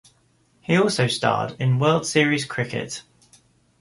He also starred in World Series Cricket.